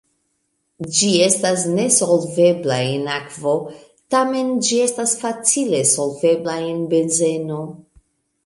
Ĝi estas nesolvebla en akvo, tamen ĝi estas facile solvebla en benzeno.